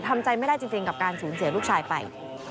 ทำใจไม่ได้จริงกับการสูญเสียลูกชายไป